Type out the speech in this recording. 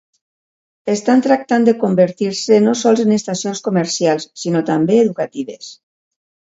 Estan tractant de convertir-se no sols en estacions comercials sinó també educatives.